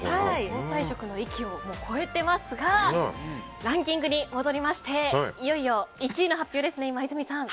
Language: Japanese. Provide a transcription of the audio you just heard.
防災食の域を超えていますがランキングに戻りましていよいよ１位の発表ですね、今泉さん。